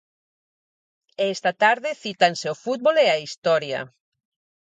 E esta tarde cítanse o fútbol e a historia.